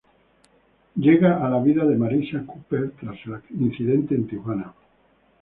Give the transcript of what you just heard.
Llega a la vida de Marissa Cooper tras el incidente en Tijuana.